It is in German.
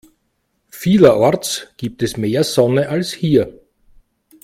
Vielerorts gibt es mehr Sonne als hier.